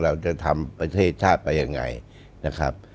เราจะทำประเทศชาติไปยังไงนะครับ